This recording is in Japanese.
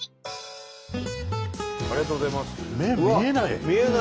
ありがとうございます。